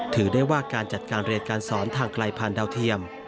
ถือได้ว่าการจัดการเรียนการสอนทางไกลผ่านดาวเทียม